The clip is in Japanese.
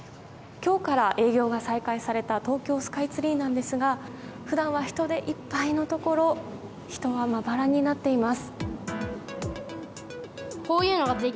今日から営業が再開された東京スカイツリーなんですが普段は人でいっぱいのところ人はまばらになっています。